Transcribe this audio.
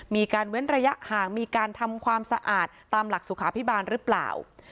เว้นระยะห่างมีการทำความสะอาดตามหลักสุขาพิบาลหรือเปล่า